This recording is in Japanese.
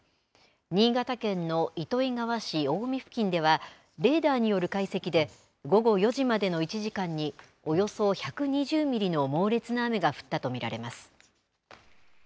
新潟県の糸魚川市青海付近では、レーダーによる解析で、午後４時までの１時間に、およそ１２０ミリの猛烈な雨が降ったと見られます。